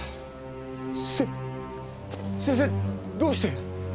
せ先生どうして？